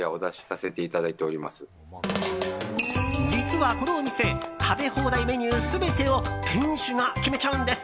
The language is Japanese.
実は、このお店食べ放題メニュー全てを店主が決めちゃうんです。